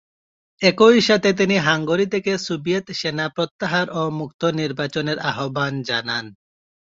একই সাথে তিনি হাঙ্গেরি থেকে সোভিয়েত সেনা প্রত্যাহার ও মুক্ত নির্বাচনের আহ্বান জানান।